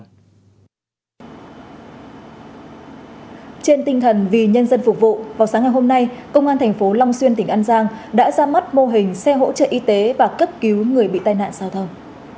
trên tinh thần vì nhân dân phục vụ vào sáng ngày hôm nay công an thành phố long xuyên tỉnh an giang đã ra mắt mô hình xe hỗ trợ y tế và cấp cứu người bị tai nạn giao thông